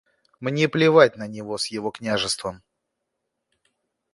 Мне плевать на него с его княжеством.